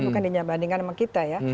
bukan dibandingkan sama kita ya